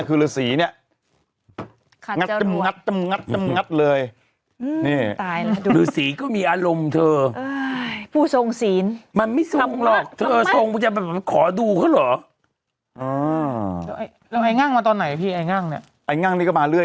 เออลง